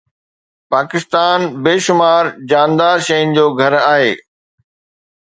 پاڪستان بيشمار جاندار شين جو گهر آهي